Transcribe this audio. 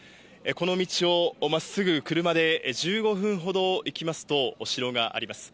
この道をまっすぐ車で１５分ほど行きますと、お城があります。